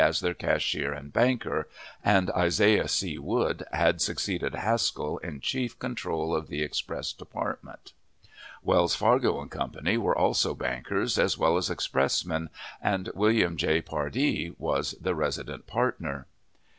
as their cashier and banker, and Isaiah C. Wood had succeeded Haskell in chief control of the express department. Wells, Fargo & Co. were also bankers as well as expressmen, and William J. Pardee was the resident partner.